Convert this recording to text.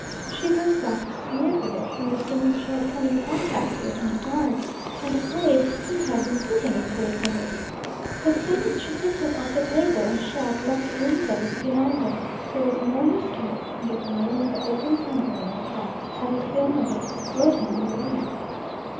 She herself was smeared with it from the things she had come in contact with in the dark, and the slaves seemed to have been sitting in pools of it. The things she picked up off the table and shelf left rims of it behind them; there was more in the skillets, and the oil in the open palm oil lamps had a film of it floating on the oil.